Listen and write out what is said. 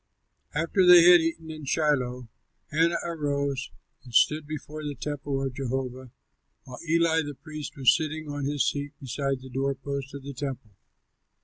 After they had eaten in Shiloh, Hannah arose and stood before the temple of Jehovah, while Eli the priest was sitting on his seat beside the door posts of the temple.